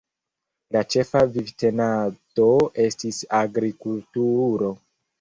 La ĉefa vivtenado estis agrikultuuro.